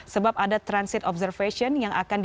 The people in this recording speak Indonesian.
sebab ada transit observation